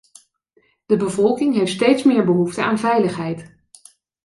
De bevolking heeft steeds meer behoefte aan veiligheid.